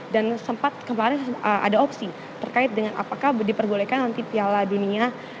dan sempat kemarin ada opsi terkait dengan apakah diperbolehkan nanti piala dunia